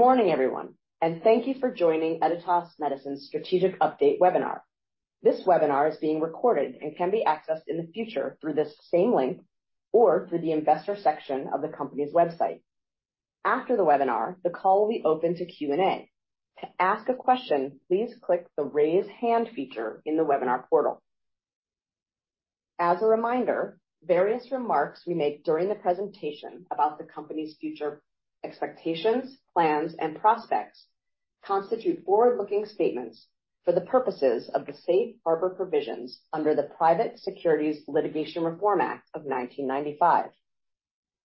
Good morning, everyone, and thank you for joining Editas Medicine's Strategic Update webinar. This webinar is being recorded and can be accessed in the future through this same link or through the Investor section of the company's website. After the webinar, the call will be open to Q&A. To ask a question, please click the Raise Hand feature in the webinar portal. As a reminder, various remarks we make during the presentation about the company's future expectations, plans, and prospects constitute forward-looking statements for the purposes of the Safe Harbor Provisions under the Private Securities Litigation Reform Act of 1995.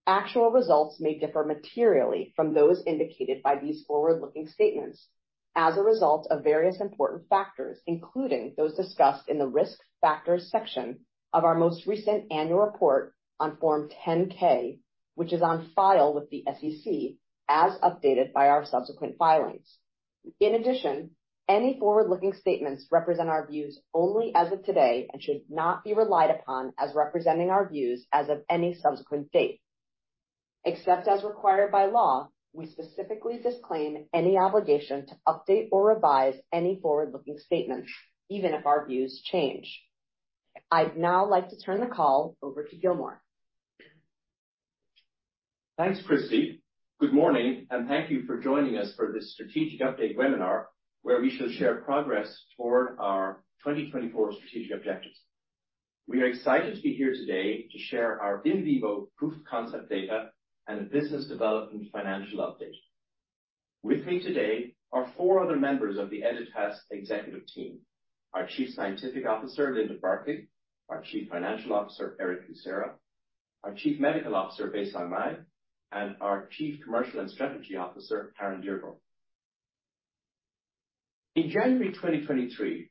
Actual results may differ materially from those indicated by these forward-looking statements as a result of various important factors, including those discussed in the Risk Factors section of our most recent annual report on Form 10-K, which is on file with the SEC as updated by our subsequent filings. In addition, any forward-looking statements represent our views only as of today and should not be relied upon as representing our views as of any subsequent date. Except as required by law, we specifically disclaim any obligation to update or revise any forward-looking statements, even if our views change. I'd now like to turn the call over to Gilmore. Thanks, Cristi. Good morning, and thank you for joining us for this Strategic Update webinar where we shall share progress toward our 2024 strategic objectives. We are excited to be here today to share our in vivo proof of concept data and a business development financial update. With me today are four other members of the Editas executive team: our Chief Scientific Officer, Linda Burkly; our Chief Financial Officer, Erick Lucera; our Chief Medical Officer, Baisong Mei; and our Chief Commercial and Strategy Officer, Caren Deardorf. In January 2023,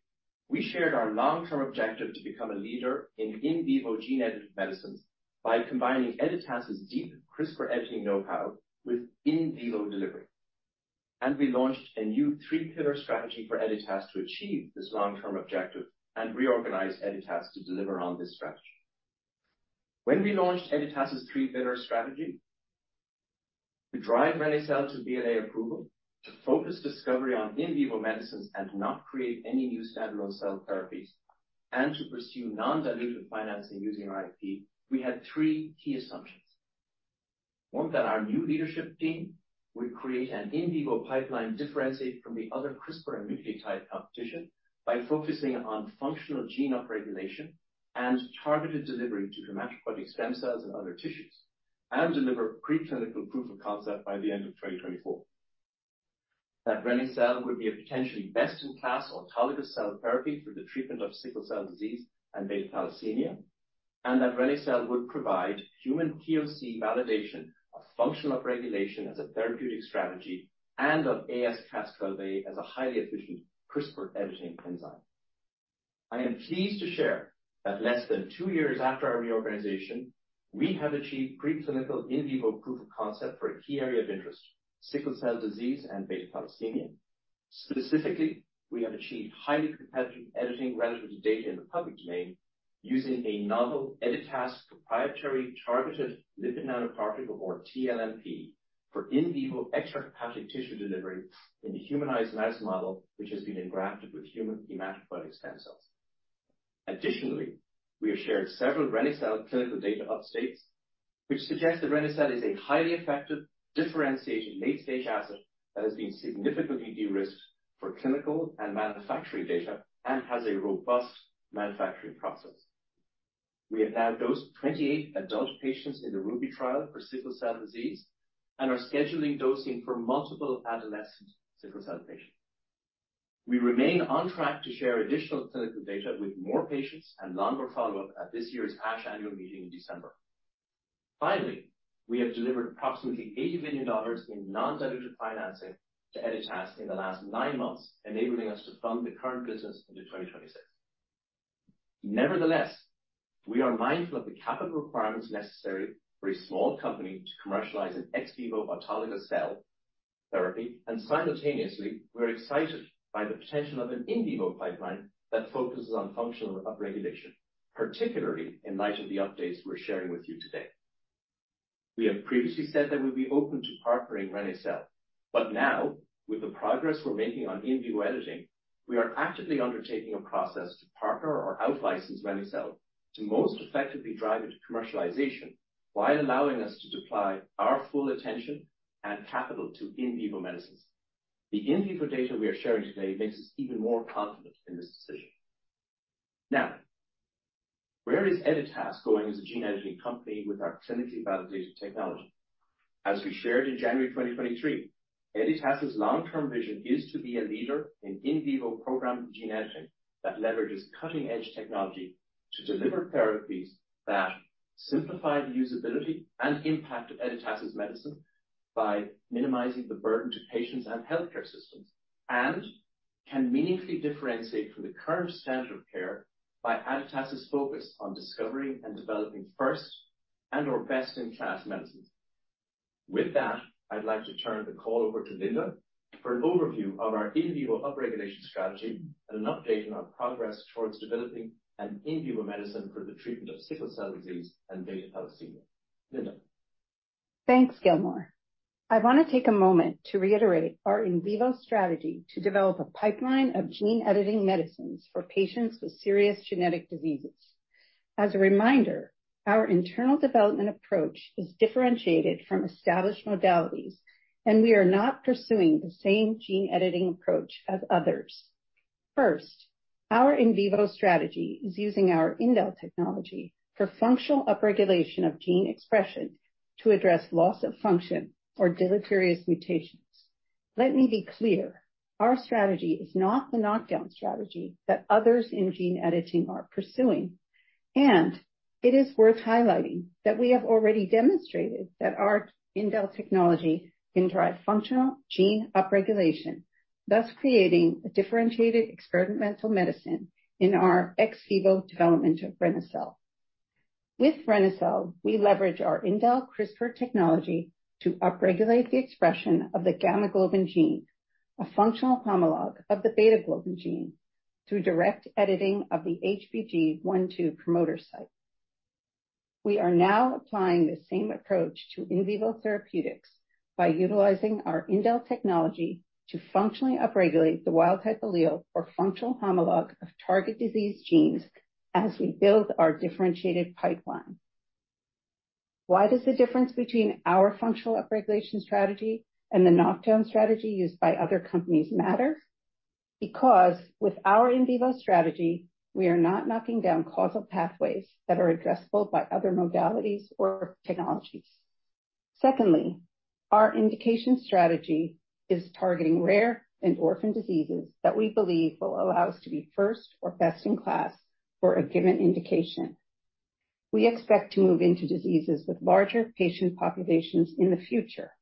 we shared our long-term objective to become a leader in in vivo gene-edited medicines by combining Editas's deep CRISPR editing know-how with in vivo delivery, and we launched a new three-pillar strategy for Editas to achieve this long-term objective and reorganize Editas to deliver on this strategy. When we launched Editas's three-pillar strategy to drive reni-cel to BLA approval, to focus discovery on in vivo medicines and not create any new standalone cell therapies, and to pursue non-dilutive financing using our IP, we had three key assumptions. One, that our new leadership team would create an in vivo pipeline differentiated from the other CRISPR and nucleotide competition by focusing on functional gene upregulation and targeted delivery to hematopoietic stem cells and other tissues, and deliver pre-clinical proof of concept by the end of 2024. That reni-cel would be a potentially best-in-class autologous cell therapy for the treatment of sickle cell disease and beta thalassemia, and that reni-cel would provide human POC validation of functional upregulation as a therapeutic strategy and of AsCas12a as a highly efficient CRISPR editing enzyme. I am pleased to share that less than two years after our reorganization, we have achieved pre-clinical in vivo proof of concept for a key area of interest: sickle cell disease and beta thalassemia. Specifically, we have achieved highly competitive editing relative to data in the public domain using a novel Editas proprietary targeted lipid nanoparticle, or tLNP, for in vivo extrahepatic tissue delivery in the humanized mouse model, which has been engrafted with human hematopoietic stem cells. Additionally, we have shared several reni-cel clinical data updates, which suggest that reni-cel is a highly effective differentiated late-stage asset that has been significantly de-risked for clinical and manufacturing data and has a robust manufacturing process. We have now dosed 28 adult patients in the RUBY trial for sickle cell disease and are scheduling dosing for multiple adolescent sickle cell patients. We remain on track to share additional clinical data with more patients and longer follow-up at this year's ASH annual meeting in December. Finally, we have delivered approximately $80 million in non-dilutive financing to Editas in the last nine months, enabling us to fund the current business into 2026. Nevertheless, we are mindful of the capital requirements necessary for a small company to commercialize an ex vivo autologous cell therapy, and simultaneously, we are excited by the potential of an in vivo pipeline that focuses on functional upregulation, particularly in light of the updates we're sharing with you today. We have previously said that we'll be open to partnering reni-cel, but now, with the progress we're making on in vivo editing, we are actively undertaking a process to partner or out-license reni-cel to most effectively drive it to commercialization while allowing us to deploy our full attention and capital to in vivo medicines. The in vivo data we are sharing today makes us even more confident in this decision. Now, where is Editas going as a gene-editing company with our clinically validated technology? As we shared in January 2023, Editas's long-term vision is to be a leader in in vivo programmed gene editing that leverages cutting-edge technology to deliver therapies that simplify the usability and impact of Editas's medicine by minimizing the burden to patients and healthcare systems, and can meaningfully differentiate from the current standard of care by Editas's focus on discovering and developing first and/or best-in-class medicines. With that, I'd like to turn the call over to Linda for an overview of our in vivo upregulation strategy and an update on our progress towards developing an in vivo medicine for the treatment of sickle cell disease and beta thalassemia. Linda. Thanks, Gilmore. I want to take a moment to reiterate our in vivo strategy to develop a pipeline of gene-editing medicines for patients with serious genetic diseases. As a reminder, our internal development approach is differentiated from established modalities, and we are not pursuing the same gene-editing approach as others. First, our in vivo strategy is using our indel technology for functional upregulation of gene expression to address loss of function or deleterious mutations. Let me be clear, our strategy is not the knockdown strategy that others in gene editing are pursuing, and it is worth highlighting that we have already demonstrated that our indel technology can drive functional gene upregulation, thus creating a differentiated experimental medicine in our ex vivo development of reni-cel. With reni-cel, we leverage our indel CRISPR technology to upregulate the expression of the gamma globin gene, a functional homologue of the beta globin gene, through direct editing of the HBG1/HBG2 promoter site. We are now applying the same approach to in vivo therapeutics by utilizing our indel technology to functionally upregulate the wild-type allele or functional homologue of target disease genes as we build our differentiated pipeline. Why does the difference between our functional upregulation strategy and the knockdown strategy used by other companies matter? Because with our in vivo strategy, we are not knocking down causal pathways that are addressable by other modalities or technologies. Secondly, our indication strategy is targeting rare and orphan diseases that we believe will allow us to be first or best in class for a given indication. We expect to move into diseases with larger patient populations in the future.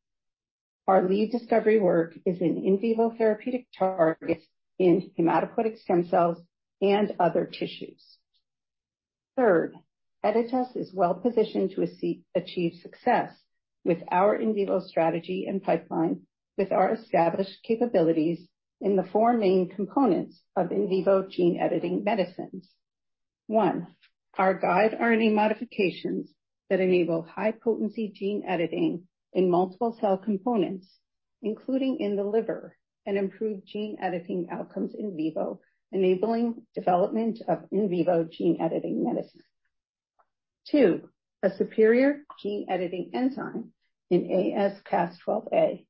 Our lead discovery work is in vivo therapeutic targets in hematopoietic stem cells and other tissues. Third, Editas is well positioned to achieve success with our in vivo strategy and pipeline with our established capabilities in the four main components of in vivo gene editing medicines. One, our guide RNA modifications that enable high-potency gene editing in multiple cell components, including in the liver, and improve gene editing outcomes in vivo, enabling development of in vivo gene editing medicine. Two, a superior gene editing enzyme in AsCas12a.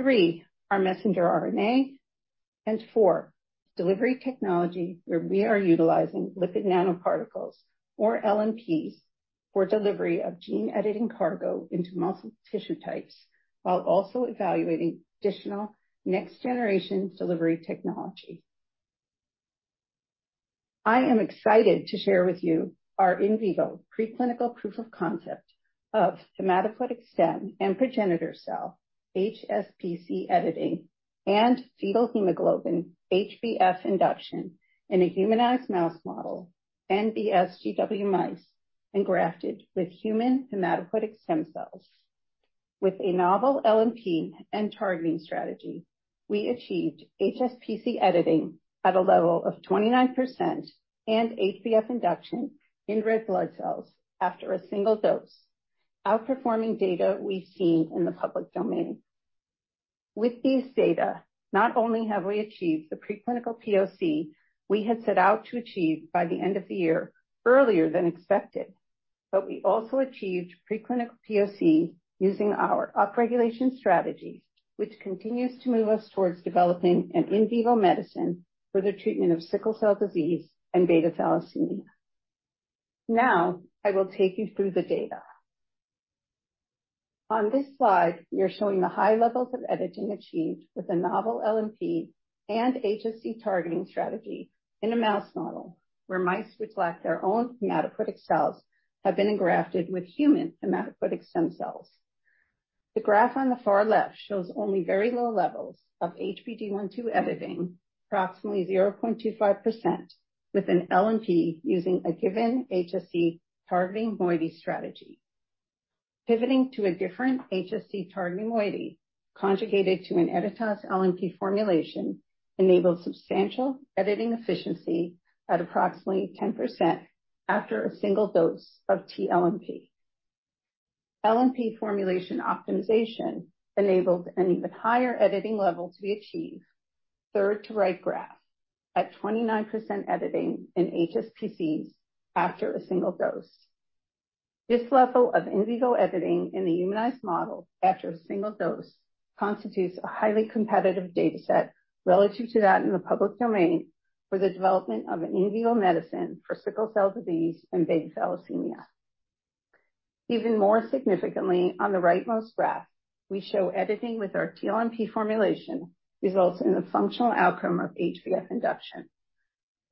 Three, our messenger RNA. And four, delivery technology where we are utilizing lipid nanoparticles, or LNPs, for delivery of gene editing cargo into multiple tissue types, while also evaluating additional next-generation delivery technology. I am excited to share with you our in vivo pre-clinical proof of concept of hematopoietic stem and progenitor cell HSPC editing and fetal hemoglobin HbF induction in a humanized mouse model, NBSGW mice, and grafted with human hematopoietic stem cells. With a novel LNP and targeting strategy, we achieved HSPC editing at a level of 29% and HbF induction in red blood cells after a single dose, outperforming data we've seen in the public domain. With these data, not only have we achieved the pre-clinical POC we had set out to achieve by the end of the year earlier than expected, but we also achieved pre-clinical POC using our upregulation strategy, which continues to move us towards developing an in vivo medicine for the treatment of sickle cell disease and beta thalassemia. Now, I will take you through the data. On this slide, we are showing the high levels of editing achieved with a novel LNP and HSC targeting strategy in a mouse model where mice that lack their own hematopoietic cells have been engrafted with human hematopoietic stem cells. The graph on the far left shows only very low levels of HBG1/HBG2 editing, approximately 0.25%, with an LNP using a given HSC targeting moiety strategy. Pivoting to a different HSC targeting moiety conjugated to an Editas LNP formulation enabled substantial editing efficiency at approximately 10% after a single dose of tLNP. LNP formulation optimization enabled an even higher editing level to be achieved. Third to right graph, at 29% editing in HSPCs after a single dose. This level of in vivo editing in the humanized model after a single dose constitutes a highly competitive dataset relative to that in the public domain for the development of an in vivo medicine for sickle cell disease and beta thalassemia. Even more significantly, on the rightmost graph, we show editing with our tLNP formulation results in the functional outcome of HbF induction.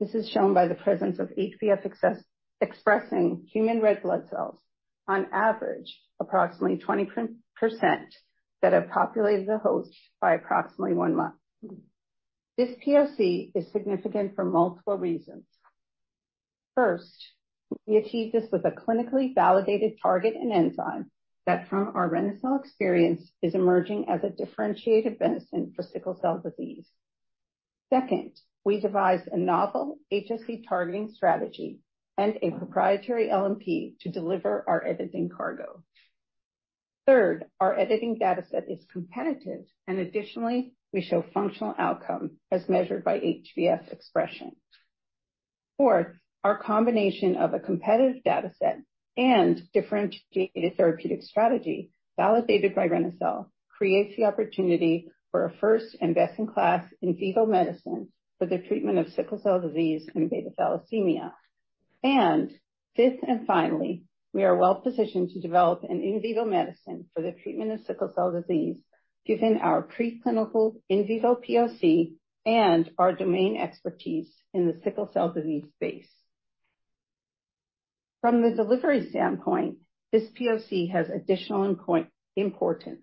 This is shown by the presence of HbF expressing human red blood cells on average approximately 20% that have populated the host by approximately one month. This POC is significant for multiple reasons. First, we achieved this with a clinically validated target and enzyme that, from our reni-cel experience, is emerging as a differentiated medicine for sickle cell disease. Second, we devised a novel HSC targeting strategy and a proprietary LNP to deliver our editing cargo. Third, our editing dataset is competitive, and additionally, we show functional outcome as measured by HbF expression. Fourth, our combination of a competitive dataset and differentiated therapeutic strategy validated by reni-cel creates the opportunity for a first and best-in-class in vivo medicine for the treatment of sickle cell disease and beta thalassemia. And fifth and finally, we are well positioned to develop an in vivo medicine for the treatment of sickle cell disease given our pre-clinical in vivo POC and our domain expertise in the sickle cell disease space. From the delivery standpoint, this POC has additional importance.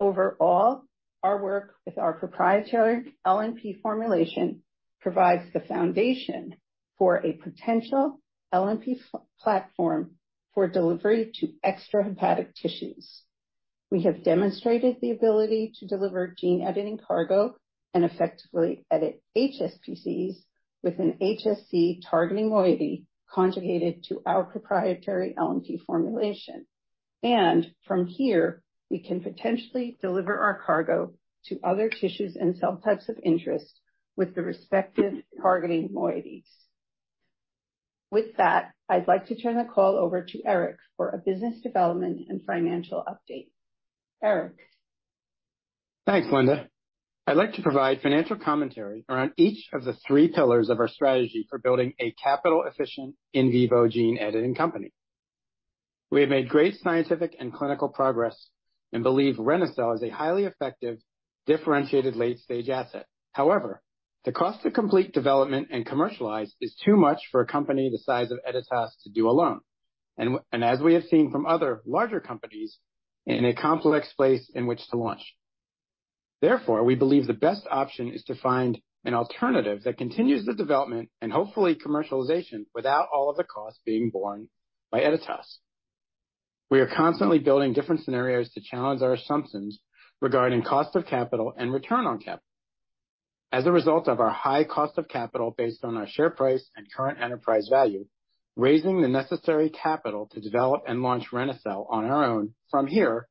Overall, our work with our proprietary LNP formulation provides the foundation for a potential LNP platform for delivery to extrahepatic tissues. We have demonstrated the ability to deliver gene editing cargo and effectively edit HSPCs with an HSC targeting moiety conjugated to our proprietary LNP formulation. And from here, we can potentially deliver our cargo to other tissues and cell types of interest with the respective targeting moieties. With that, I'd like to turn the call over to Erick for a business development and financial update. Erick. Thanks, Linda. I'd like to provide financial commentary around each of the three pillars of our strategy for building a capital-efficient in vivo gene editing company. We have made great scientific and clinical progress and believe reni-cel is a highly effective, differentiated late-stage asset. However, the cost to complete development and commercialize is too much for a company the size of Editas to do alone, and as we have seen from other larger companies, in a complex place in which to launch. Therefore, we believe the best option is to find an alternative that continues the development and hopefully commercialization without all of the costs being borne by Editas. We are constantly building different scenarios to challenge our assumptions regarding cost of capital and return on capital. As a result of our high cost of capital based on our share price and current enterprise value, raising the necessary capital to develop and launch reni-cel on our own from here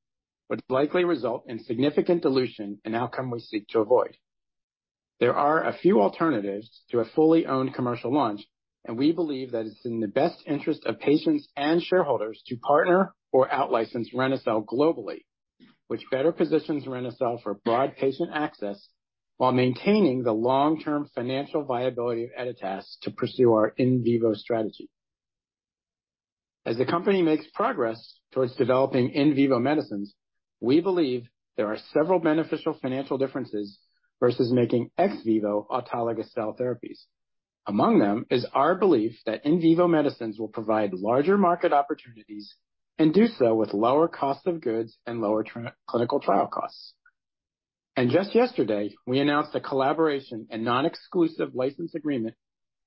would likely result in significant dilution, an outcome we seek to avoid. There are a few alternatives to a fully owned commercial launch, and we believe that it's in the best interest of patients and shareholders to partner or out-license reni-cel globally, which better positions reni-cel for broad patient access while maintaining the long-term financial viability of Editas to pursue our in vivo strategy. As the company makes progress towards developing in vivo medicines, we believe there are several beneficial financial differences versus making ex vivo autologous cell therapies. Among them is our belief that in vivo medicines will provide larger market opportunities and do so with lower cost of goods and lower clinical trial costs. Just yesterday, we announced a collaboration and non-exclusive license agreement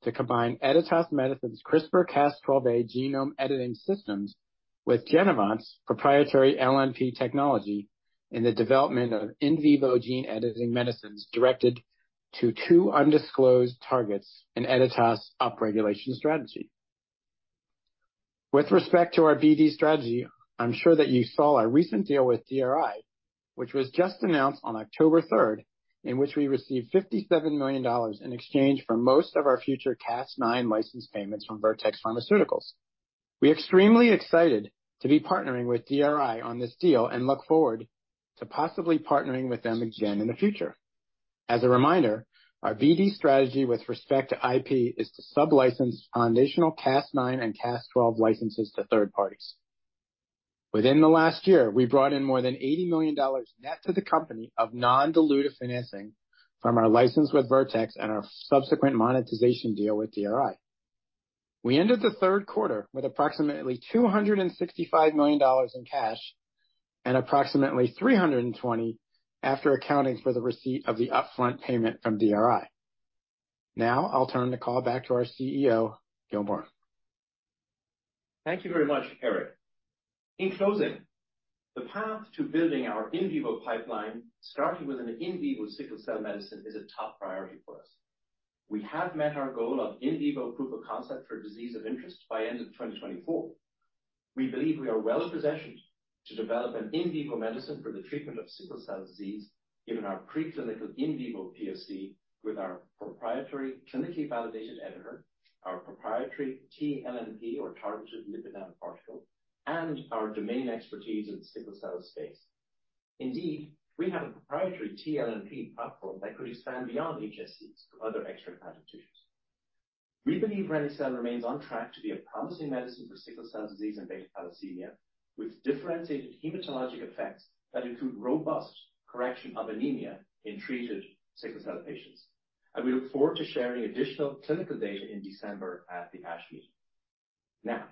to combine Editas Medicine's CRISPR-Cas12a genome editing systems with Genevant's proprietary LNP technology in the development of in vivo gene editing medicines directed to two undisclosed targets in Editas' upregulation strategy. With respect to our BD strategy, I'm sure that you saw our recent deal with DRI, which was just announced on October 3rd, in which we received $57 million in exchange for most of our future Cas9 license payments from Vertex Pharmaceuticals. We are extremely excited to be partnering with DRI on this deal and look forward to possibly partnering with them again in the future. As a reminder, our BD strategy with respect to IP is to sub-license foundational Cas9 and Cas12 licenses to third parties. Within the last year, we brought in more than $80 million net to the company of non-dilutive financing from our license with Vertex and our subsequent monetization deal with DRI. We ended the third quarter with approximately $265 million in cash and approximately $320 million after accounting for the receipt of the upfront payment from DRI. Now, I'll turn the call back to our CEO, Gilmore. Thank you very much, Erick. In closing, the path to building our in vivo pipeline starting with an in vivo sickle cell medicine is a top priority for us. We have met our goal of in vivo proof of concept for disease of interest by end of 2024. We believe we are well positioned to develop an in vivo medicine for the treatment of sickle cell disease given our pre-clinical in vivo POC with our proprietary clinically validated editor, our proprietary tLNP or targeted lipid nanoparticle, and our domain expertise in the sickle cell space. Indeed, we have a proprietary tLNP platform that could expand beyond HSCs to other extrahepatic tissues. We believe reni-cel remains on track to be a promising medicine for sickle cell disease and beta thalassemia with differentiated hematologic effects that include robust correction of anemia in treated sickle cell patients. And we look forward to sharing additional clinical data in December at the ASH meeting. Now,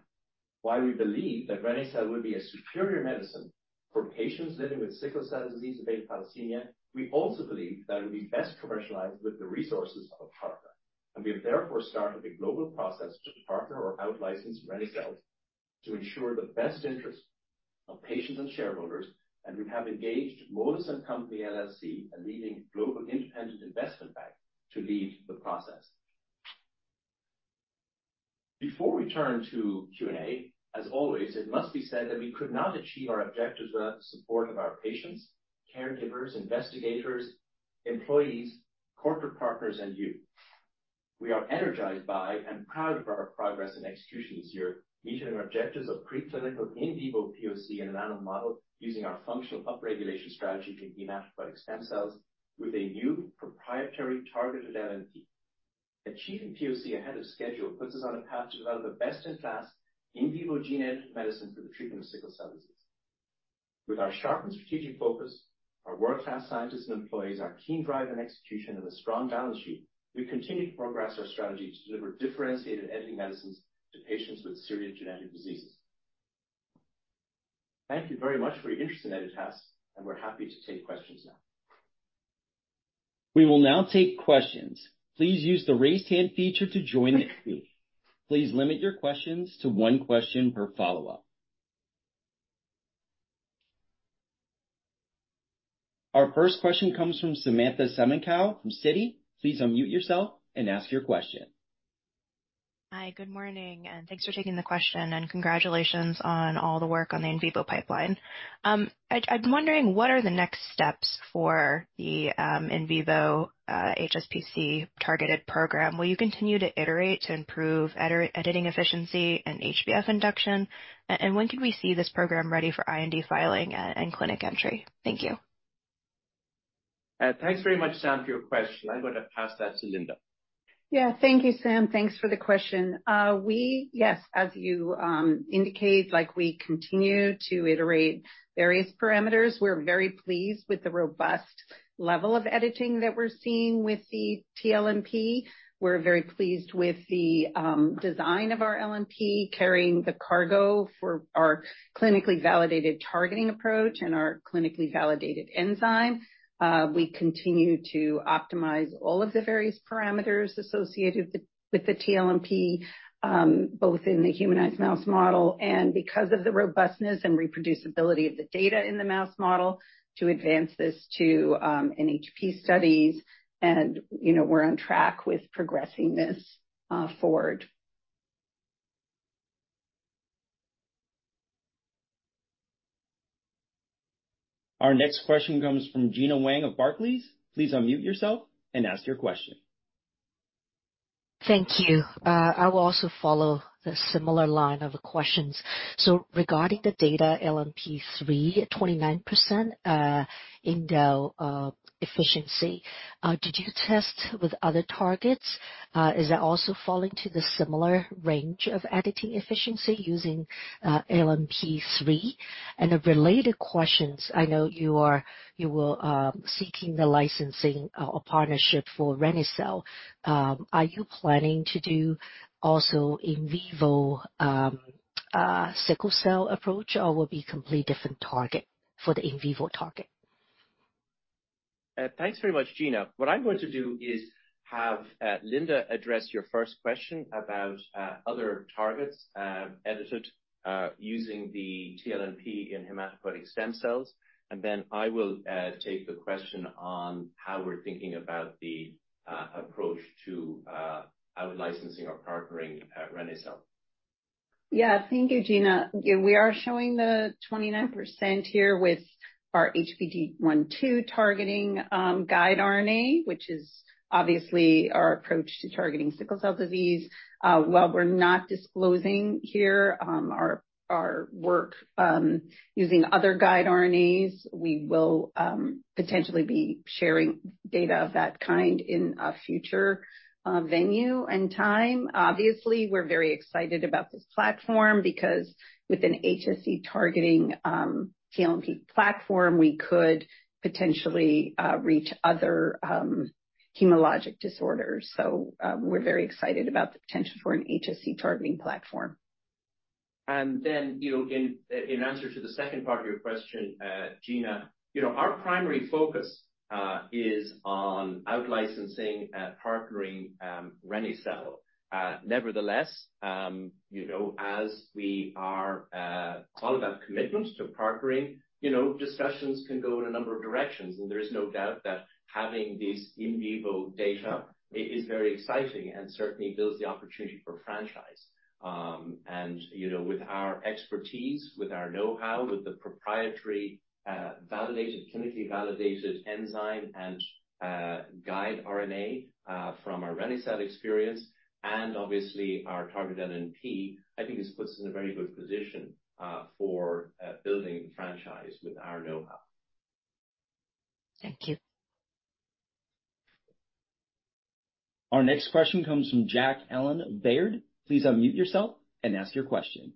while we believe that reni-cel will be a superior medicine for patients living with sickle cell disease and beta thalassemia, we also believe that it will be best commercialized with the resources of a partner. And we have therefore started a global process to partner or out-license reni-cel to ensure the best interest of patients and shareholders, and we have engaged Moelis & Company LLC, a leading global independent investment bank, to lead the process. Before we turn to Q&A, as always, it must be said that we could not achieve our objectives without the support of our patients, caregivers, investigators, employees, corporate partners, and you. We are energized by and proud of our progress and execution this year, meeting our objectives of preclinical in vivo POC and an NHP model using our functional upregulation strategy for hematopoietic stem cells with a new proprietary targeted LNP. Achieving POC ahead of schedule puts us on a path to develop the best-in-class in vivo gene editing medicine for the treatment of sickle cell disease. With our sharp and strategic focus, our world-class scientists and employees, our keen drive and execution, and a strong balance sheet, we continue to progress our strategy to deliver differentiated editing medicines to patients with serious genetic diseases. Thank you very much for your interest in Editas, and we're happy to take questions now. We will now take questions. Please use the raised hand feature to join the queue. Please limit your questions to one question per follow-up. Our first question comes from Samantha Semenkow from Citi. Please unmute yourself and ask your question. Hi, good morning, and thanks for taking the question, and congratulations on all the work on the in vivo pipeline. I'm wondering, what are the next steps for the in vivo HSPC targeted program? Will you continue to iterate to improve editing efficiency and HbF induction? And when can we see this program ready for IND filing and clinic entry? Thank you. Thanks very much, Sam, for your question. I'm going to pass that to Linda. Yeah, thank you, Sam. Thanks for the question. Yes, as you indicate, we continue to iterate various parameters. We're very pleased with the robust level of editing that we're seeing with the tLNP. We're very pleased with the design of our LNP carrying the cargo for our clinically validated targeting approach and our clinically validated enzyme. We continue to optimize all of the various parameters associated with the tLNP, both in the humanized mouse model and because of the robustness and reproducibility of the data in the mouse model, to advance this to NHP studies. And we're on track with progressing this forward. Our next question comes from Gena Wang of Barclays. Please unmute yourself and ask your question. Thank you. I will also follow the similar line of questions. So regarding the data LNP3, 29% indel efficiency, did you test with other targets? Is that also falling to the similar range of editing efficiency using LNP3? And a related question, I know you are seeking the licensing or partnership for reni-cel. Are you planning to do also in vivo sickle cell approach, or will it be a completely different target for the in vivo target? Thanks very much, Gena. What I'm going to do is have Linda address your first question about other targets edited using the tLNP in hematopoietic stem cells. And then I will take the question on how we're thinking about the approach to out-licensing or partnering reni-cel. Yeah, thank you, Gena. We are showing the 29% here with our HBG1/HBG2 targeting guide RNA, which is obviously our approach to targeting sickle cell disease. While we're not disclosing here our work using other guide RNAs, we will potentially be sharing data of that kind in a future venue and time. Obviously, we're very excited about this platform because with an HSC targeting tLNP platform, we could potentially reach other hematologic disorders. So we're very excited about the potential for an HSC targeting platform. And then in answer to the second part of your question, Gena, our primary focus is on out-licensing and partnering reni-cel. Nevertheless, as we are all about commitment to partnering, discussions can go in a number of directions. And there is no doubt that having these in vivo data is very exciting and certainly builds the opportunity for franchise. And with our expertise, with our know-how, with the proprietary clinically validated enzyme and guide RNA from our reni-cel experience, and obviously our targeted LNP, I think this puts us in a very good position for building the franchise with our know-how. Thank you. Our next question comes from Jack Allen, Baird. Please unmute yourself and ask your question.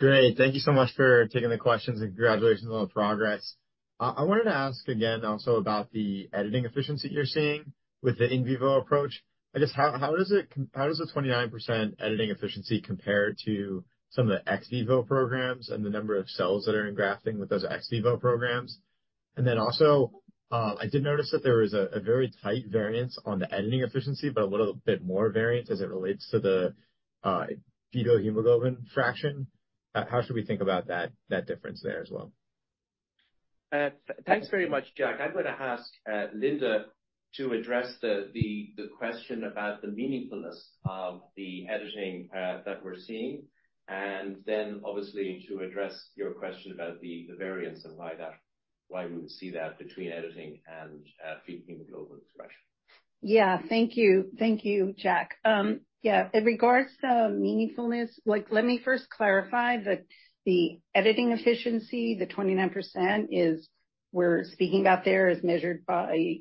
Great. Thank you so much for taking the questions and congratulations on the progress. I wanted to ask again also about the editing efficiency you're seeing with the in vivo approach. I guess, how does the 29% editing efficiency compare to some of the ex vivo programs and the number of cells that are in grafting with those ex vivo programs? And then also, I did notice that there was a very tight variance on the editing efficiency, but a little bit more variance as it relates to the fetal hemoglobin fraction. How should we think about that difference there as well? Thanks very much, Jack. I'm going to ask Linda to address the question about the meaningfulness of the editing that we're seeing, and then obviously to address your question about the variance and why we would see that between editing and fetal hemoglobin expression. Yeah, thank you. Thank you, Jack. Yeah, in regards to meaningfulness, let me first clarify that the editing efficiency, the 29%, we're speaking about there is measured by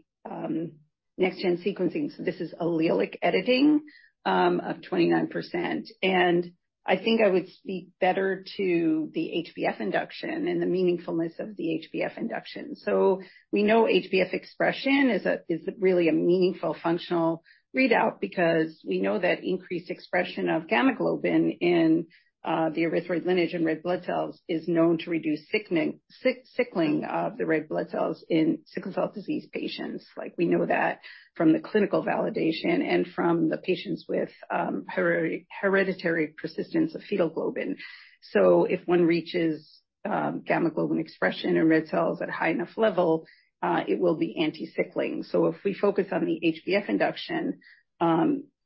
next-gen sequencing. So this is allelic editing of 29%. And I think I would speak better to the HbF induction and the meaningfulness of the HbF induction. So we know HbF expression is really a meaningful functional readout because we know that increased expression of gamma globin in the erythroid lineage and red blood cells is known to reduce sickling of the red blood cells in sickle cell disease patients. We know that from the clinical validation and from the patients with hereditary persistence of fetal hemoglobin. So if one reaches gamma globin expression in red cells at a high enough level, it will be anti-sickling. So if we focus on the HbF induction,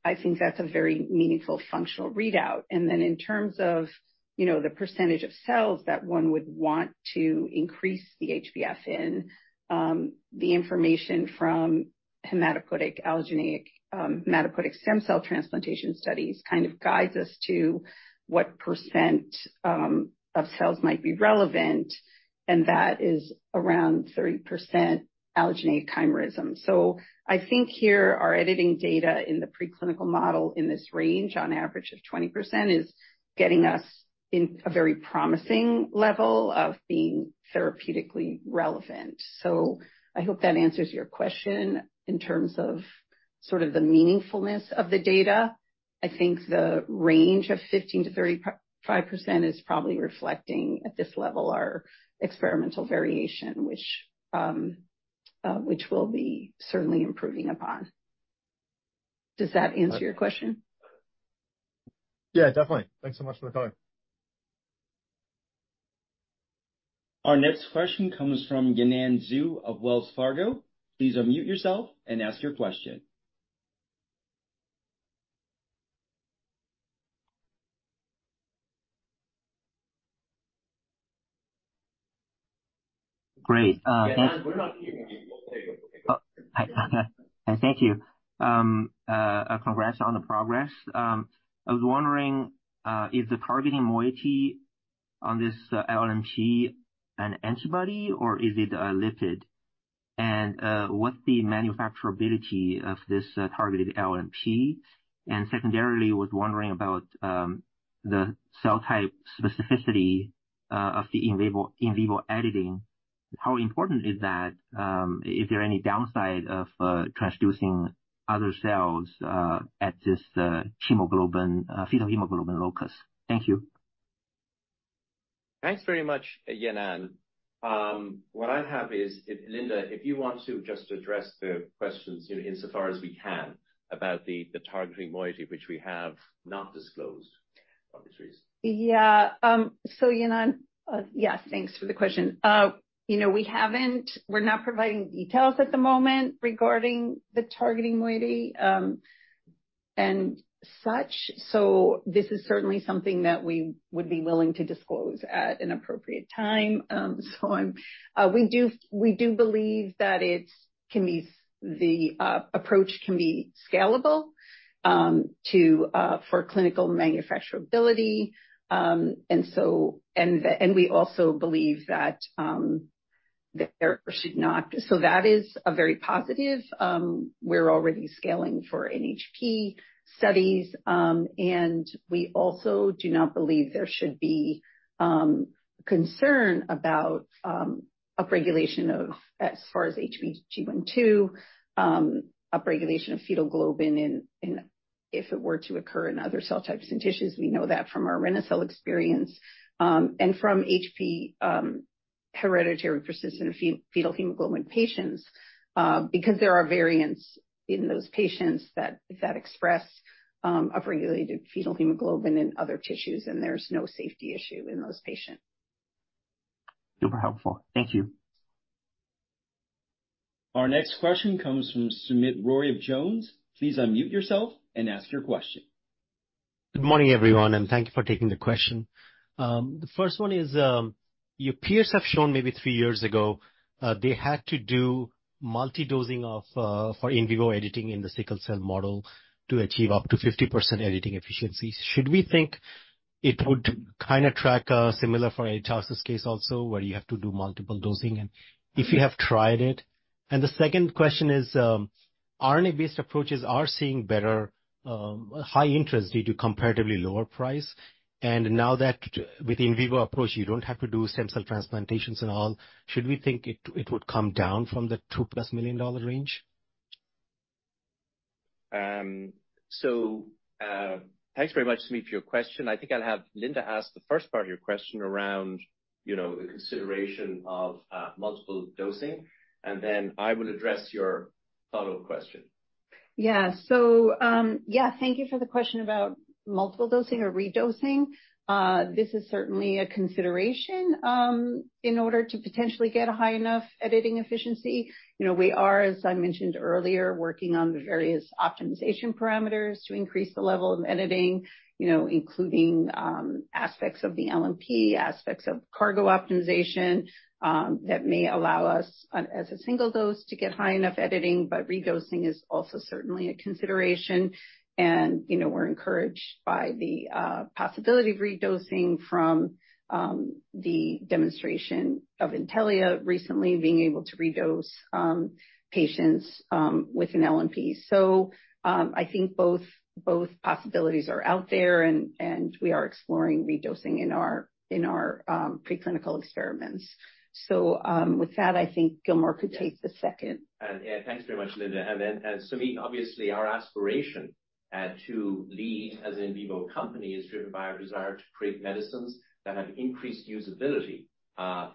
I think that's a very meaningful functional readout. And then in terms of the percentage of cells that one would want to increase the HbF in, the information from hematopoietic allogeneic hematopoietic stem cell transplantation studies kind of guides us to what percent of cells might be relevant, and that is around 30% allogeneic chimerism. So I think here our editing data in the pre-clinical model in this range on average of 20% is getting us in a very promising level of being therapeutically relevant. So I hope that answers your question in terms of sort of the meaningfulness of the data. I think the range of 15%-35% is probably reflecting at this level our experimental variation, which we'll be certainly improving upon. Does that answer your question? Yeah, definitely. Thanks so much for the time. Our next question comes from Yanan Zhu of Wells Fargo. Please unmute yourself and ask your question. Great. Thank you. Congrats on the progress. I was wondering if the targeting moiety on this LNP is an antibody or is it a lipid? And what's the manufacturability of this targeted LNP? And secondarily, I was wondering about the cell type specificity of the in vivo editing. How important is that? Is there any downside of transducing other cells at this fetal hemoglobin locus? Thank you. Thanks very much, Yanan. What I have is, Linda, if you want to just address the questions insofar as we can about the targeting moiety, which we have not disclosed for this reason. Yeah. So Yanan, yes, thanks for the question. We're not providing details at the moment regarding the targeting moiety and such. So this is certainly something that we would be willing to disclose at an appropriate time. So we do believe that the approach can be scalable for clinical manufacturability. And we also believe that there should not—so that is very positive. We're already scaling for NHP studies. And we also do not believe there should be concern about upregulation as far as HBG1/HBG2, upregulation of fetal globin if it were to occur in other cell types and tissues. We know that from our reni-cel experience and from HPFH hereditary persistence of fetal hemoglobin patients because there are variants in those patients that express upregulated fetal hemoglobin in other tissues, and there's no safety issue in those patients. Super helpful. Thank you. Our next question comes from Soumit Roy of Jones. Please unmute yourself and ask your question. Good morning, everyone, and thank you for taking the question. The first one is your peers have shown maybe three years ago they had to do multi-dosing for in vivo editing in the sickle cell model to achieve up to 50% editing efficiency. Should we think it would kind of track similar for a TDT case also where you have to do multiple dosing if you have tried it? And the second question is RNA-based approaches are seeing better high interest due to comparatively lower price. And now that with the in vivo approach, you don't have to do stem cell transplantations and all, should we think it would come down from the $2 million plus range? So thanks very much, Soumit, for your question. I think I'll have Linda ask the first part of your question around the consideration of multiple dosing. And then I will address your follow-up question. Yeah. So yeah, thank you for the question about multiple dosing or redosing. This is certainly a consideration in order to potentially get a high enough editing efficiency. We are, as I mentioned earlier, working on the various optimization parameters to increase the level of editing, including aspects of the LNP, aspects of cargo optimization that may allow us as a single dose to get high enough editing. But redosing is also certainly a consideration. And we're encouraged by the possibility of redosing from the demonstration of Intellia recently being able to redose patients with an LNP. So I think both possibilities are out there, and we are exploring redosing in our preclinical experiments. So with that, I think Gilmore could take the second. Yeah, thanks very much, Linda. Soumit, obviously, our aspiration to lead as an in vivo company is driven by our desire to create medicines that have increased usability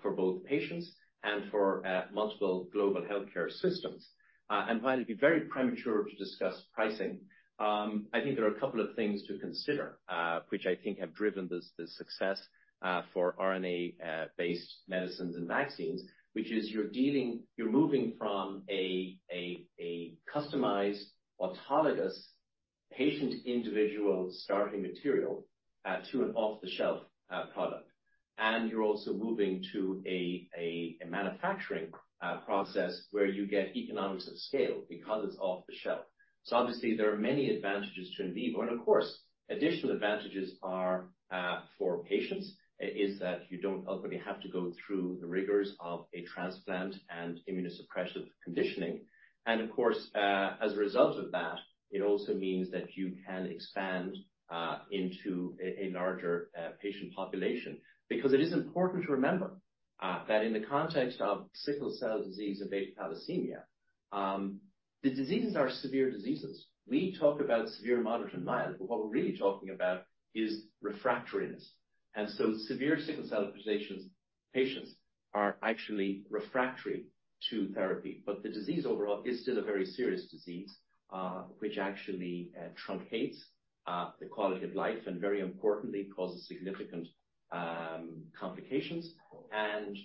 for both patients and for multiple global healthcare systems. While it'd be very premature to discuss pricing, I think there are a couple of things to consider, which I think have driven the success for RNA-based medicines and vaccines, which is you're moving from a customized autologous patient-individual starting material to an off-the-shelf product. You're also moving to a manufacturing process where you get economies of scale because it's off-the-shelf. Obviously, there are many advantages to in vivo. Of course, additional advantages for patients is that you don't ultimately have to go through the rigors of a transplant and immunosuppressive conditioning. And of course, as a result of that, it also means that you can expand into a larger patient population because it is important to remember that in the context of sickle cell disease and beta thalassemia, the diseases are severe diseases. We talk about severe, moderate, and mild, but what we're really talking about is refractoriness. And so severe sickle cell patients are actually refractory to therapy. But the disease overall is still a very serious disease, which actually truncates the quality of life and very importantly causes significant complications and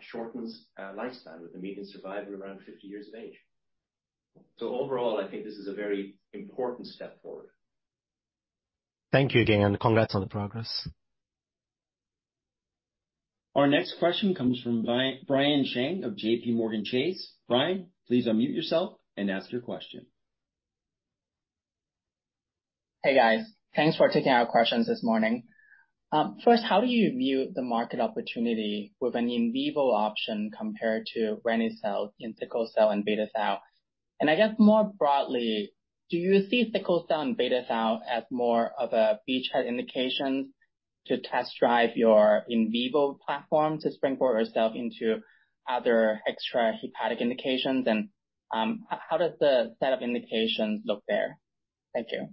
shortens lifespan with a median survival around 50 years of age. So overall, I think this is a very important step forward. Thank you again, and congrats on the progress. Our next question comes from Brian Cheng of JPMorgan Chase. Brian, please unmute yourself and ask your question. Hey, guys. Thanks for taking our questions this morning. First, how do you view the market opportunity with an in vivo option compared to reni-cel in sickle cell and beta thal? And I guess more broadly, do you see sickle cell and beta thal as more of a beachhead indication to test drive your in vivo platform to springboard yourself into other extrahepatic indications? And how does the set of indications look there? Thank you.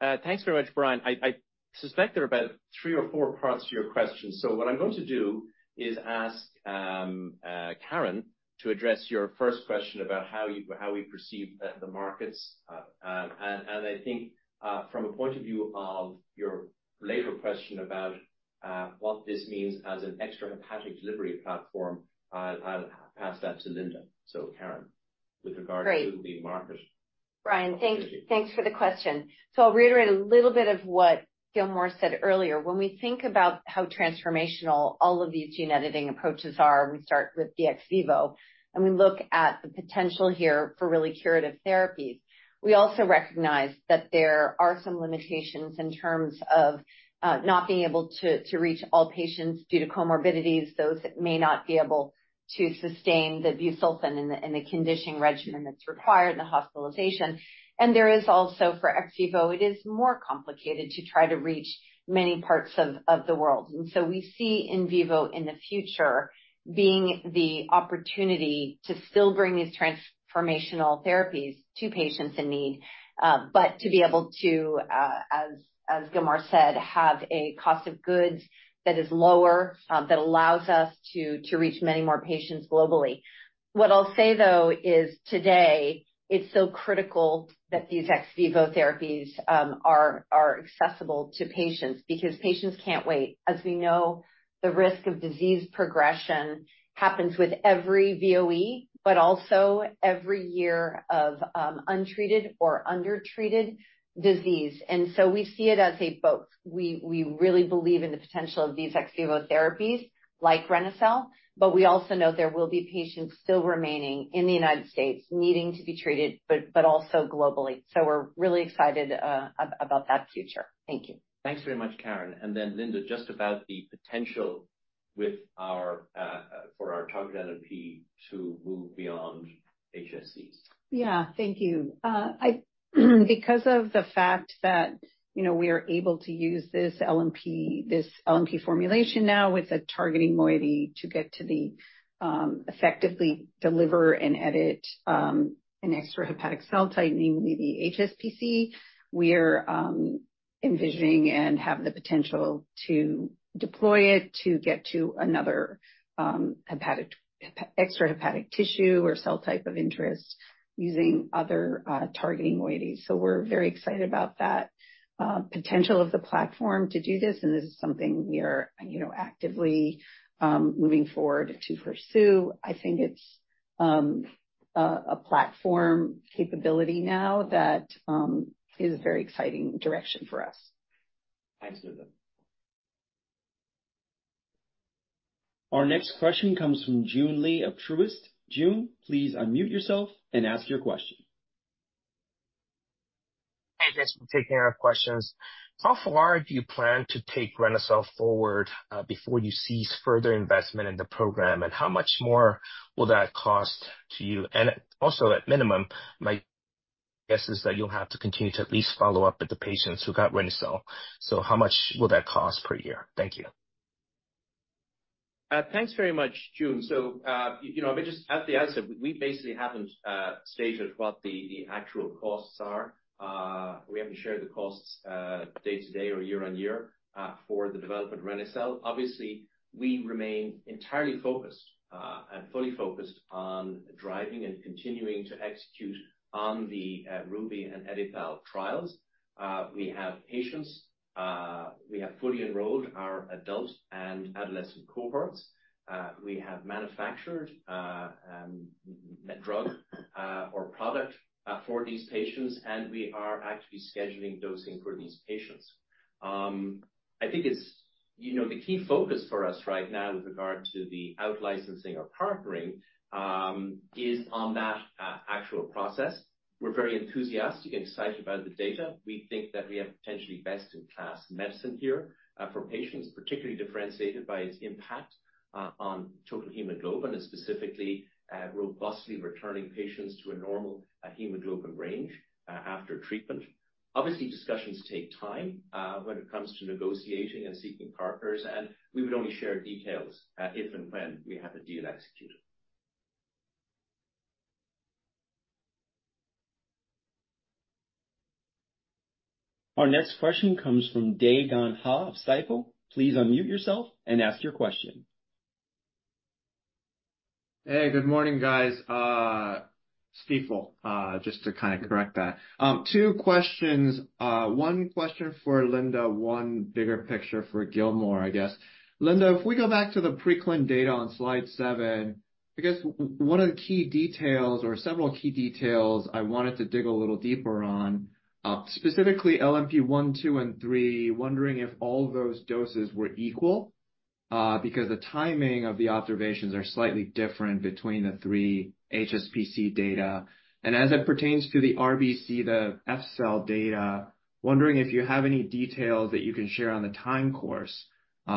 Thanks very much, Brian. I suspect there are about three or four parts to your question. So what I'm going to do is ask Caren to address your first question about how we perceive the markets. And I think from a point of view of your later question about what this means as an extra hepatic delivery platform, I'll pass that to Linda. So Caren, with regard to the market. Brian, thanks for the question. So I'll reiterate a little bit of what Gilmore said earlier. When we think about how transformational all of these gene editing approaches are, we start with the ex vivo, and we look at the potential here for really curative therapies. We also recognize that there are some limitations in terms of not being able to reach all patients due to comorbidities, those that may not be able to sustain the busulfan and the conditioning regimen that's required in the hospitalization, and there is also for ex vivo, it is more complicated to try to reach many parts of the world. And so we see in vivo in the future being the opportunity to still bring these transformational therapies to patients in need, but to be able to, as Gilmore said, have a cost of goods that is lower that allows us to reach many more patients globally. What I'll say, though, is today, it's so critical that these ex vivo therapies are accessible to patients because patients can't wait. As we know, the risk of disease progression happens with every VOE, but also every year of untreated or undertreated disease. And so we see it as a both. We really believe in the potential of these ex vivo therapies like reni-cel, but we also know there will be patients still remaining in the United States needing to be treated, but also globally. So we're really excited about that future. Thank you. Thanks very much, Caren. And then Linda, just about the potential for our targeted LNP to move beyond HSCs. Yeah, thank you. Because of the fact that we are able to use this LNP formulation now with a targeting moiety to effectively deliver and edit an extrahepatic cell type, namely the HSPC, we are envisioning and have the potential to deploy it to get to another extrahepatic tissue or cell type of interest using other targeting moieties. So we're very excited about that potential of the platform to do this. And this is something we are actively moving forward to pursue. I think it's a platform capability now that is a very exciting direction for us. Thanks, Linda. Our next question comes from Joon Lee of Truist. Joon, please unmute yourself and ask your question. Hey, thanks for taking our questions. How far do you plan to take reni-cel forward before you seek further investment in the program, and how much more will that cost to you? And also, at minimum, my guess is that you'll have to continue to at least follow up with the patients who got reni-cel. So how much will that cost per year? Thank you. Thanks very much, Joon, so I'll just add the answer. We basically haven't stated what the actual costs are. We haven't shared the costs day-to-day or year-on-year for the development of reni-cel. Obviously, we remain entirely focused and fully focused on driving and continuing to execute on the RUBY and EdiTHAL trials. We have patients. We have fully enrolled our adult and adolescent cohorts. We have manufactured drug or product for these patients, and we are actually scheduling dosing for these patients. I think the key focus for us right now with regard to the out-licensing or partnering is on that actual process. We're very enthusiastic and excited about the data. We think that we have potentially best-in-class medicine here for patients, particularly differentiated by its impact on total hemoglobin and specifically robustly returning patients to a normal hemoglobin range after treatment. Obviously, discussions take time when it comes to negotiating and seeking partners, and we would only share details if and when we have a deal executed. Our next question comes from Dae Gon Ha of Stifel. Please unmute yourself and ask your question. Hey, good morning, guys. Stifel, just to kind of correct that. Two questions. One question for Linda, one bigger picture for Gilmore, I guess. Linda, if we go back to the preclinical data on slide seven, I guess one of the key details or several key details I wanted to dig a little deeper on, specifically LNP1, LNP2, and LNP3, wondering if all those doses were equal because the timing of the observations are slightly different between the three HSPC data. And as it pertains to the RBC, the F cell data, wondering if you have any details that you can share on the time course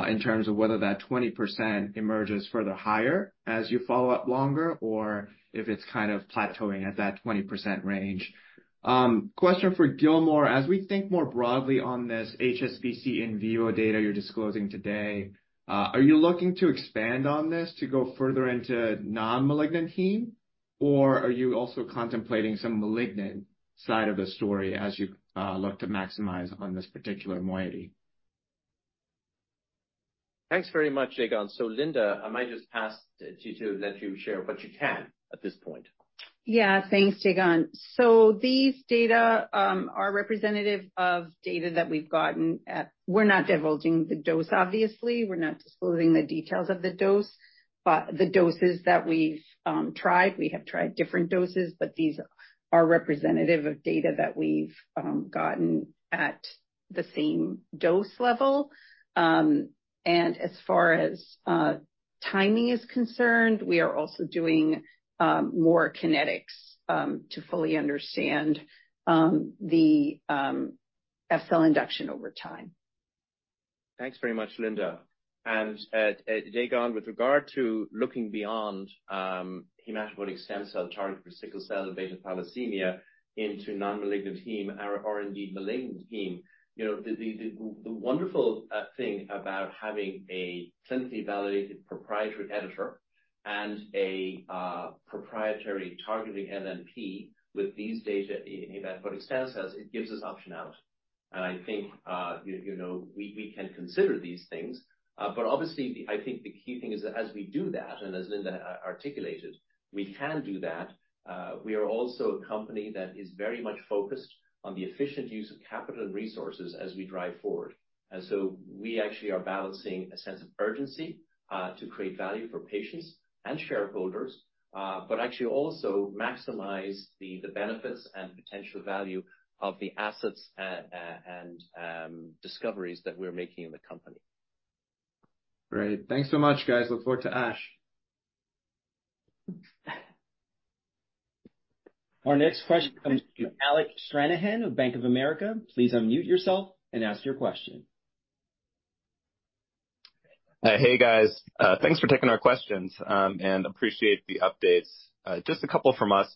in terms of whether that 20% emerges further higher as you follow up longer or if it's kind of plateauing at that 20% range. Question for Gilmore, as we think more broadly on this HSPC in vivo data you're disclosing today, are you looking to expand on this to go further into non-malignant heme, or are you also contemplating some malignant side of the story as you look to maximize on this particular moiety? Thanks very much, Dae Gon. So Linda, I might just ask you to let you share what you can at this point. Yeah, thanks, Dae Gon. So these data are representative of data that we've gotten. We're not divulging the dose, obviously. We're not disclosing the details of the dose, but the doses that we've tried, we have tried different doses, but these are representative of data that we've gotten at the same dose level, and as far as timing is concerned, we are also doing more kinetics to fully understand the F cell induction over time. Thanks very much, Linda. And Dae Gon, with regard to looking beyond hematopoietic stem cell target for sickle cell and beta thalassemia into non-malignant heme or indeed malignant heme, the wonderful thing about having a clinically validated proprietary editor and a proprietary targeting LNP with these data in hematopoietic stem cells, it gives us optionality. And I think we can consider these things. But obviously, I think the key thing is that as we do that, and as Linda articulated, we can do that. We are also a company that is very much focused on the efficient use of capital and resources as we drive forward. And so we actually are balancing a sense of urgency to create value for patients and shareholders, but actually also maximize the benefits and potential value of the assets and discoveries that we're making in the company. Great. Thanks so much, guys. Look forward to ASH. Our next question comes from Alec Stranahan of Bank of America. Please unmute yourself and ask your question. Hey, guys. Thanks for taking our questions and appreciate the updates. Just a couple from us.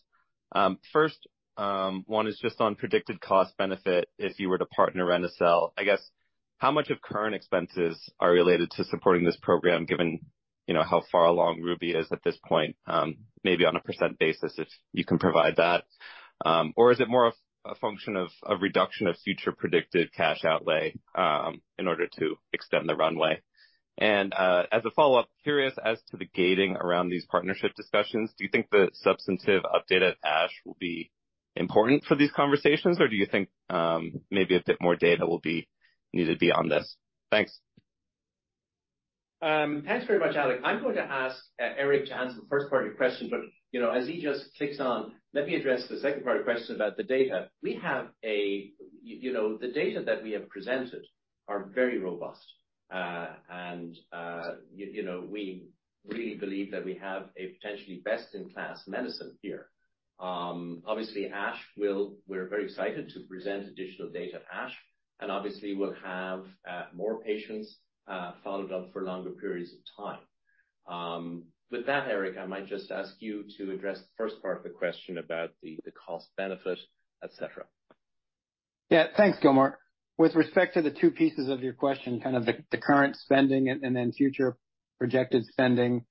First one is just on predicted cost-benefit if you were to partner reni-cel. I guess how much of current expenses are related to supporting this program given how far along RUBY is at this point, maybe on a percent basis if you can provide that? Or is it more a function of reduction of future predicted cash outlay in order to extend the runway? And as a follow-up, curious as to the gating around these partnership discussions, do you think the substantive update at ASH will be important for these conversations, or do you think maybe a bit more data will be needed beyond this? Thanks. Thanks very much, Alec. I'm going to ask Erick to answer the first part of your question, but as he just clicks on, let me address the second part of the question about the data. The data that we have presented are very robust, and we really believe that we have a potentially best-in-class medicine here. Obviously, ASH, we're very excited to present additional data at ASH, and obviously, we'll have more patients followed up for longer periods of time. With that, Erick, I might just ask you to address the first part of the question about the cost-benefit, etc. Yeah, thanks, Gilmore. With respect to the two pieces of your question, kind of the current spending and then future projected spending,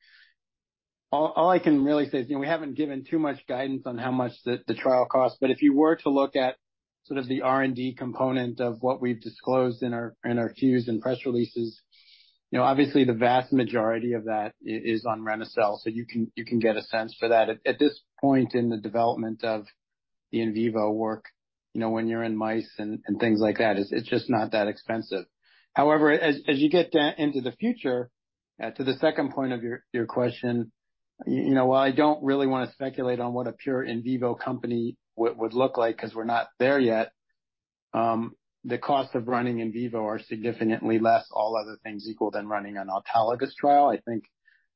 all I can really say is we haven't given too much guidance on how much the trial costs, but if you were to look at sort of the R&D component of what we've disclosed in our Q's and press releases, obviously, the vast majority of that is on reni-cel, so you can get a sense for that. At this point in the development of the in vivo work, when you're in mice and things like that, it's just not that expensive. However, as you get into the future, to the second point of your question, while I don't really want to speculate on what a pure in vivo company would look like because we're not there yet, the cost of running in vivo are significantly less, all other things equal, than running an autologous trial. I think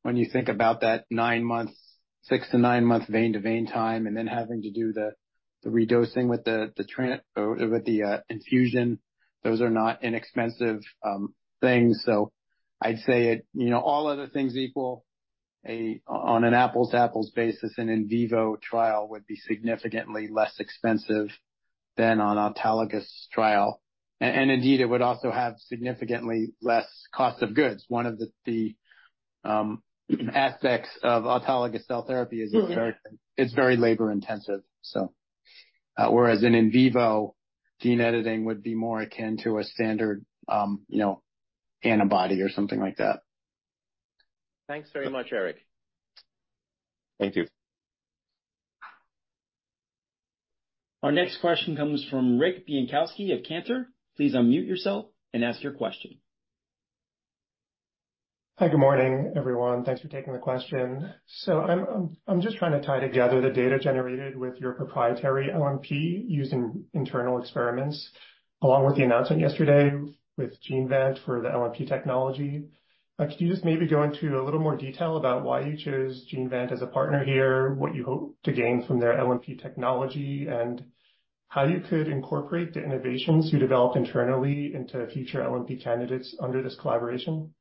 when you think about that six-to-nine-month vein-to-vein time and then having to do the redosing with the infusion, those are not inexpensive things. So I'd say all other things equal, on an apples-to-apples basis, an in vivo trial would be significantly less expensive than an autologous trial. And indeed, it would also have significantly less cost of goods. One of the aspects of autologous cell therapy is it's very labor-intensive. Whereas an in vivo gene editing would be more akin to a standard antibody or something like that. Thanks very much, Erick. Thank you. Our next question comes from Rick Bienkowski of Cantor. Please unmute yourself and ask your question. Hi, good morning, everyone. Thanks for taking the question. So I'm just trying to tie together the data generated with your proprietary LNP using internal experiments, along with the announcement yesterday with Genevant for the LNP technology. Could you just maybe go into a little more detail about why you chose Genevant as a partner here, what you hope to gain from their LNP technology, and how you could incorporate the innovations you developed internally into future LNP candidates under this collaboration?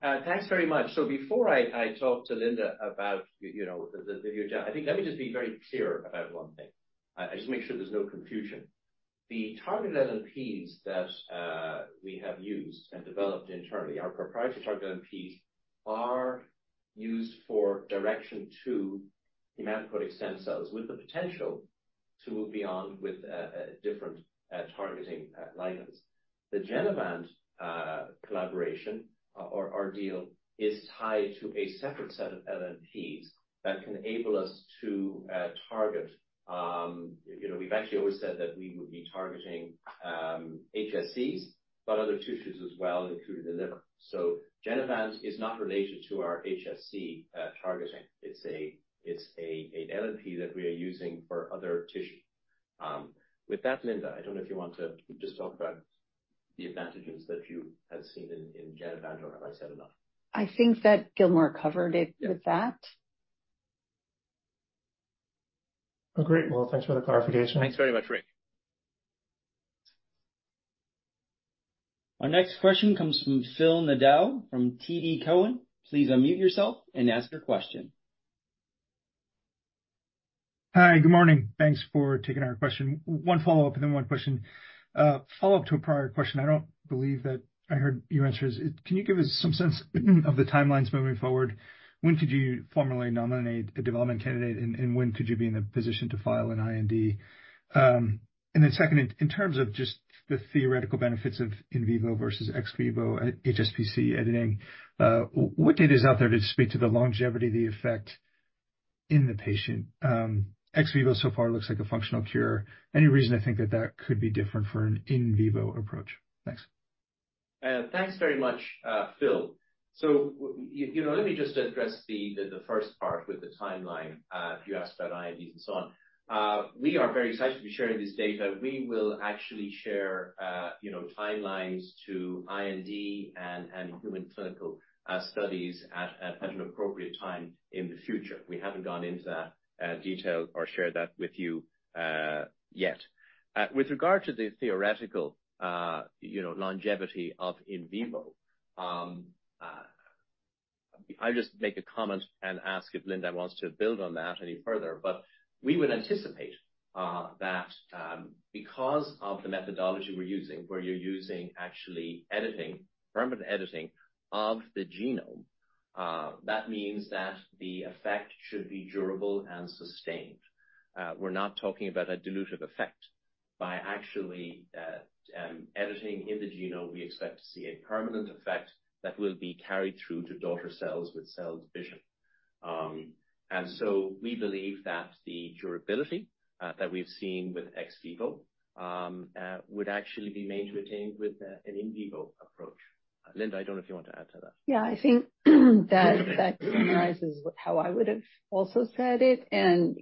Thanks very much. So before I talk to Linda about the view, I think let me just be very clear about one thing. I just want to make sure there's no confusion. The targeted LNPs that we have used and developed internally, our proprietary targeted LNPs are used for delivery to hematopoietic stem cells with the potential to move beyond with different targeting ligands. The Genevant collaboration or deal is tied to a separate set of LNPs that can enable us to target. We've actually always said that we would be targeting HSCs, but other tissues as well, including the liver. So Genevant is not related to our HSC targeting. It's an LNP that we are using for other tissues. With that, Linda, I don't know if you want to just talk about the advantages that you have seen in Genevant, or have I said enough? I think that Gilmore covered it with that. Great. Well, thanks for the clarification. Thanks very much, Rick. Our next question comes from Phil Nadeau from TD Cowen. Please unmute yourself and ask your question. Hi, good morning. Thanks for taking our question. One follow-up, and then one question. Follow-up to a prior question. I don't believe that I heard your answers. Can you give us some sense of the timelines moving forward? When could you formally nominate a development candidate, and when could you be in the position to file an IND? And then second, in terms of just the theoretical benefits of in vivo versus ex vivo HSPC editing, what data is out there to speak to the longevity, the effect in the patient? Ex vivo so far looks like a functional cure. Any reason to think that that could be different for an in vivo approach? Thanks. Thanks very much, Phil. So let me just address the first part with the timeline. You asked about INDs and so on. We are very excited to be sharing this data. We will actually share timelines to IND and human clinical studies at an appropriate time in the future. We haven't gone into that detail or shared that with you yet. With regard to the theoretical longevity of in vivo, I'll just make a comment and ask if Linda wants to build on that any further, but we would anticipate that because of the methodology we're using, where you're using actually editing, permanent editing of the genome, that means that the effect should be durable and sustained. We're not talking about a dilutive effect. By actually editing in the genome, we expect to see a permanent effect that will be carried through to daughter cells with cell division. And so we believe that the durability that we've seen with ex vivo would actually be made to attain with an in vivo approach. Linda, I don't know if you want to add to that? Yeah, I think that summarizes how I would have also said it. And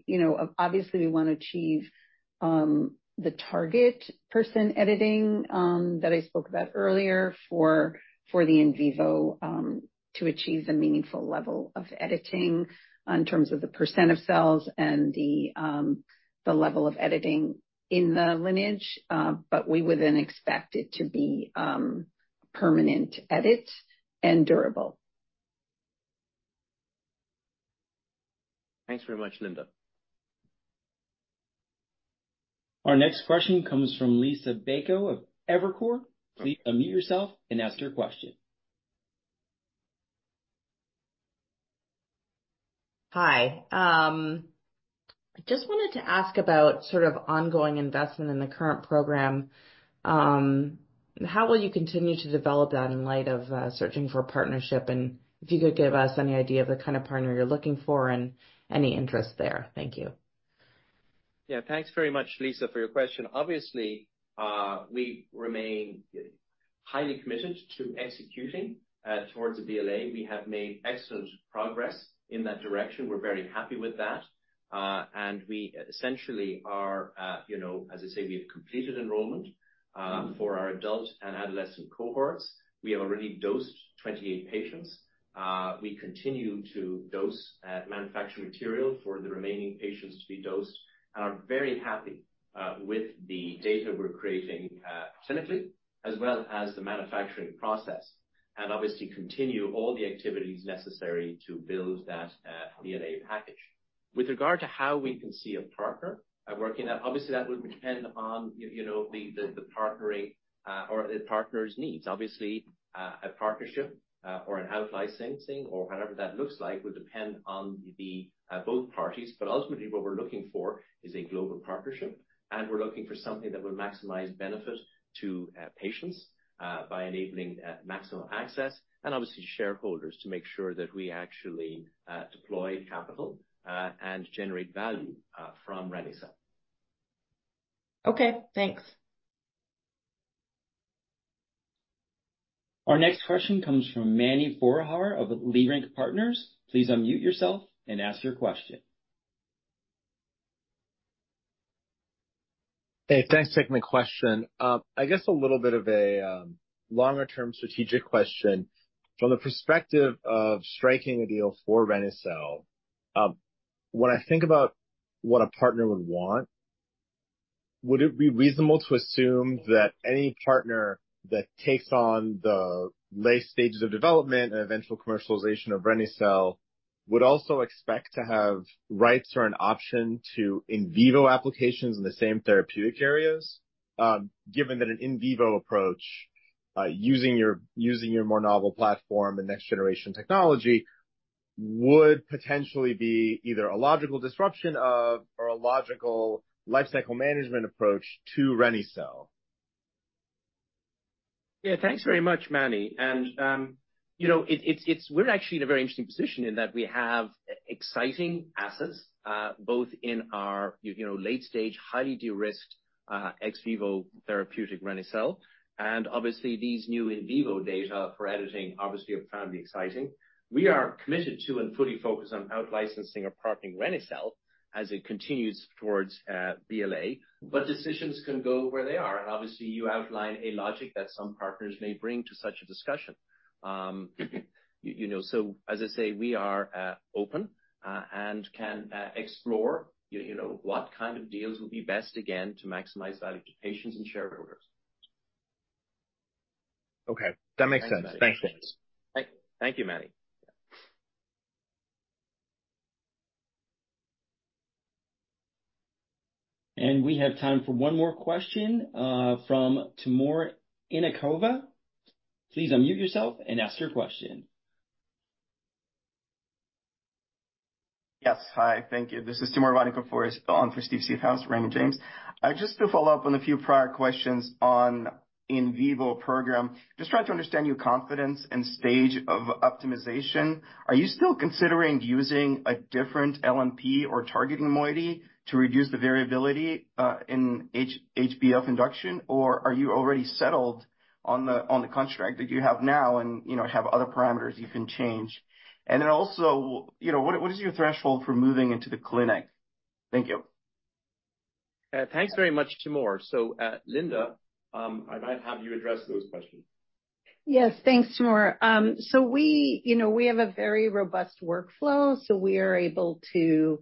obviously, we want to achieve the targeted precision editing that I spoke about earlier for the in vivo to achieve the meaningful level of editing in terms of the percentage of cells and the level of editing in the lineage, but we would then expect it to be a permanent edit and durable. Thanks very much, Linda. Our next question comes from Liisa Bayko of Evercore. Please unmute yourself and ask your question. Hi. I just wanted to ask about sort of ongoing investment in the current program. How will you continue to develop that in light of searching for a partnership? And if you could give us any idea of the kind of partner you're looking for and any interest there. Thank you. Yeah, thanks very much, Liisa, for your question. Obviously, we remain highly committed to executing towards the BLA. We have made excellent progress in that direction. We're very happy with that and we essentially are, as I say, we have completed enrollment for our adult and adolescent cohorts. We have already dosed 28 patients. We continue to dose manufacturing material for the remaining patients to be dosed and are very happy with the data we're creating clinically, as well as the manufacturing process, and obviously continue all the activities necessary to build that BLA package. With regard to how we can see a partner working that, obviously, that would depend on the partnering or the partner's needs. Obviously, a partnership or an out-licensing thing or whatever that looks like will depend on both parties. But ultimately, what we're looking for is a global partnership, and we're looking for something that will maximize benefit to patients by enabling maximum access and obviously shareholders to make sure that we actually deploy capital and generate value from reni-cel. Okay, thanks. Our next question comes from Mani Foroohar of Leerink Partners. Please unmute yourself and ask your question. Hey, thanks for taking my question. I guess a little bit of a longer-term strategic question. From the perspective of striking a deal for reni-cel, when I think about what a partner would want, would it be reasonable to assume that any partner that takes on the late stages of development and eventual commercialization of reni-cel would also expect to have rights or an option to in vivo applications in the same therapeutic areas, given that an in vivo approach using your more novel platform and next-generation technology would potentially be either a logical disruption of or a logical lifecycle management approach to reni-cel? Yeah, thanks very much, Mani. We're actually in a very interesting position in that we have exciting assets, both in our late-stage, highly de-risked ex vivo therapeutic reni-cel. And obviously, these new in vivo data for editing obviously are found to be exciting. We are committed to and fully focused on out-licensing or partnering reni-cel as it continues towards BLA, but decisions can go where they are. And obviously, you outline a logic that some partners may bring to such a discussion. So as I say, we are open and can explore what kind of deals would be best again to maximize value to patients and shareholders. Okay, that makes sense. Thanks, guys. Thank you, Mani. And we have time for one more question from Timur Ivannikov. Please unmute yourself and ask your question. Yes, hi, thank you. This is Timur Ivannikov for Steve Seedhouse, Raymond James. Just to follow up on a few prior questions on the in vivo program, just trying to understand your confidence and stage of optimization. Are you still considering using a different LNP or targeting moiety to reduce the variability in HbF induction, or are you already settled on the contract that you have now and have other parameters you can change? And then also, what is your threshold for moving into the clinic? Thank you. Thanks very much, Timur. So Linda, I might have you address those questions. Yes, thanks, Timur. So we have a very robust workflow, so we are able to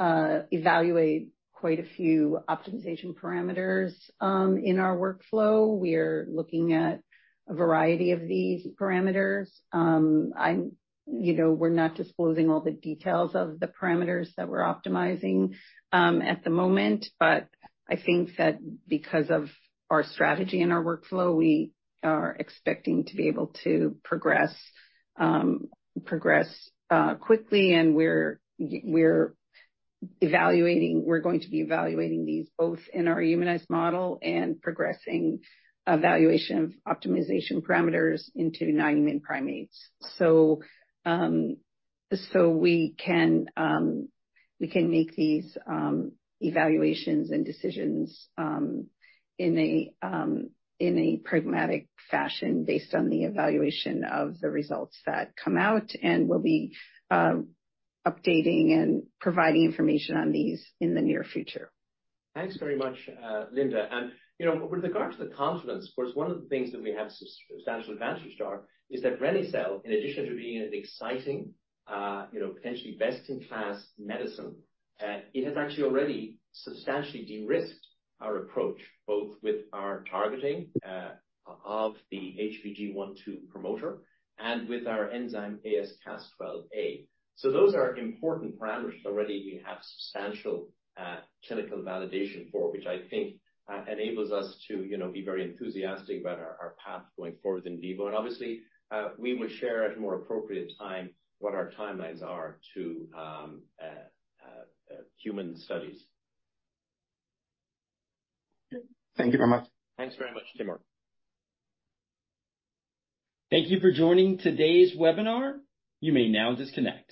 evaluate quite a few optimization parameters in our workflow. We are looking at a variety of these parameters. We're not disclosing all the details of the parameters that we're optimizing at the moment, but I think that because of our strategy and our workflow, we are expecting to be able to progress quickly. And we're going to be evaluating these both in our humanized model and progressing evaluation of optimization parameters into non-human primates. So we can make these evaluations and decisions in a pragmatic fashion based on the evaluation of the results that come out, and we'll be updating and providing information on these in the near future. Thanks very much, Linda. And with regard to the confidence, of course, one of the things that we have substantial advantage to our is that reni-cel, in addition to being an exciting, potentially best-in-class medicine, it has actually already substantially de-risked our approach, both with our targeting of the HBG1/HBG2 promoter and with our enzyme AsCas12a. So those are important parameters already we have substantial clinical validation for, which I think enables us to be very enthusiastic about our path going forward in vivo. And obviously, we will share at a more appropriate time what our timelines are to human studies. Thank you very much. Thanks very much, Timur. Thank you for joining today's webinar. You may now disconnect.